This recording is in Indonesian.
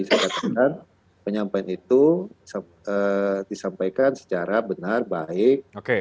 saya katakan penyampaian itu disampaikan secara benar baik